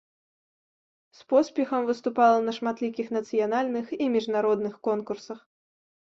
З поспехам выступала на шматлікіх нацыянальных і міжнародных конкурсах.